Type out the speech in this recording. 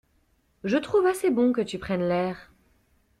Je trouve assez bon que tu prennes l'air.